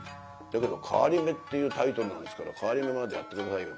「だけど『替り目』っていうタイトルなんですから替り目までやって下さいよ」